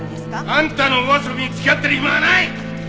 あんたのお遊びに付き合ってる暇はない！